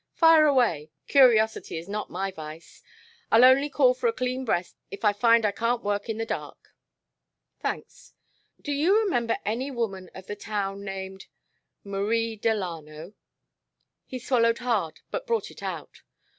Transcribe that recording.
"Fire away. Curiosity is not my vice. I'll only call for a clean breast if I find I can't work in the dark." "Thanks. Do do you remember any woman of the town named Marie Delano?" He swallowed hard but brought it out.